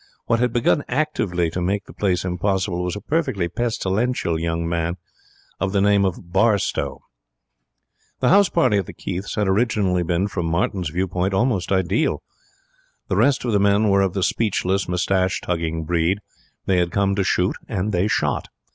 What had begun actively to make the place impossible was a perfectly pestilential young man of the name of Barstowe. The house party at the Keiths had originally been, from Martin's view point, almost ideal. The rest of the men were of the speechless, moustache tugging breed. They had come to shoot, and they shot.